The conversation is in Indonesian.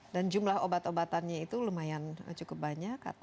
dan jumlah obat obatannya itu lumayan cukup banyak atau